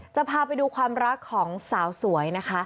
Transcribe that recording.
จะพาไปดูความรักของสาวสวยนะคะ